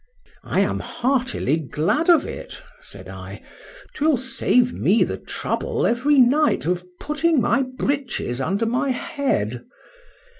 —I am heartily glad of it, said I,—'twill save me the trouble every night of putting my breeches under my head.